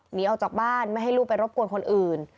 หนีออกจากบ้านไม่ให้ลูกไปรบกวนคนอื่น